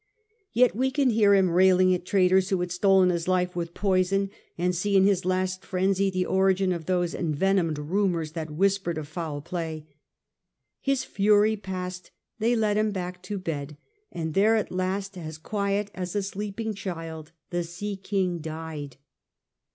Yet we can hear him railing at traitors who had stolen his life with poison, and see in his last frenzy the origin of those envenomed rumours that whispered of foul play. His fury past they led him back to bed, and there at last as quiet as a sleeping child the sea king died.